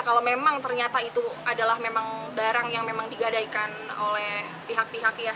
kalau memang ternyata itu adalah memang barang yang memang digadaikan oleh pihak pihak ya